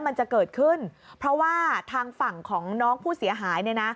มันจะเกิดขึ้นเพราะว่าทางฝั่งของน้องผู้เสียหายเนี่ยนะ